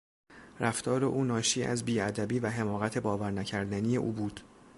رفتار او نشانی از بیادبی و حماقت باورنکردنی او بود.